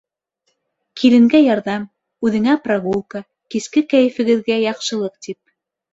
Киленгә ярҙам, үҙеңә прогулка, киске кәйефегеҙгә яҡшылыҡ тип.